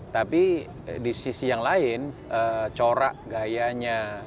tapi di sisi yang lain corak gayanya